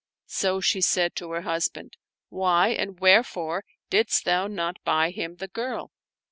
So she said to her husband, " Why and wherefore didst thou not buy him the girl?"